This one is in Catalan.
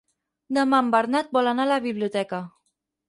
Demà en Bernat vol anar a la biblioteca.